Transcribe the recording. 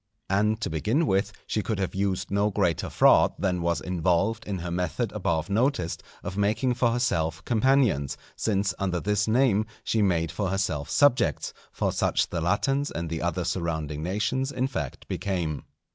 And, to begin with, she could have used no greater fraud than was involved in her method above noticed, of making for herself companions; since under this name she made for herself subjects, for such the Latins and the other surrounding nations, in fact, became.